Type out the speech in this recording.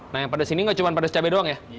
nah yang pedas ini gak cuma pedas cabai doang ya